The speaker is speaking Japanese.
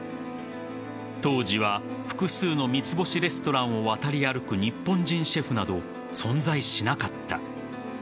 当時は複数の三つ星レストランを渡り歩く日本人シェフなど存在しなかった。